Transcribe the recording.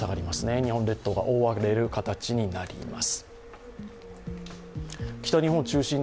日本列島が覆われる形になります。